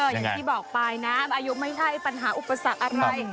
อย่างที่บอกไปนะอายุไม่ใช่ปัญหาอุปสรรคอะไร